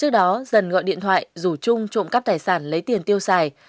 dần gọi điện thoại rủ trung trộm cắp tài sản lấy tiền tiêu xài